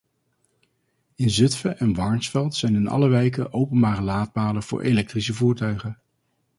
In Zutphen en Warnsveld zijn in alle wijken openbare laadpalen voor elektrische voertuigen.